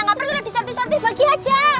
gak perlu disortir sortir bagi aja